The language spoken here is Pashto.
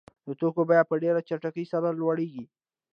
د توکو بیه په ډېره چټکۍ سره لوړېږي